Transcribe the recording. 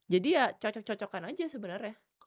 jadi ya cocok cocokan aja sebenarnya